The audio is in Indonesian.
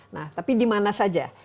nah tapi dimana saja